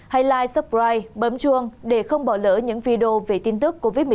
hãy like subscribe bấm chuông để không bỏ lỡ những video về tin tức covid một mươi chín